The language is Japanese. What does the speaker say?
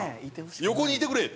「横にいてくれ」って。